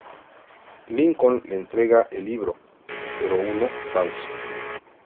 Lincoln le entrega el libro, pero uno falso.